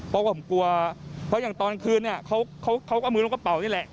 เพราะว่าผมกลัวเพราะอย่างตอนคืนเนี่ยเขาก็เอามือลูกกระเป๋านี่แหละ